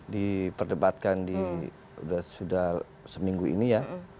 di perdebatkan di sudah seminggu ini ya